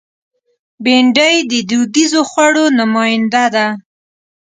بېنډۍ د دودیزو خوړو نماینده ده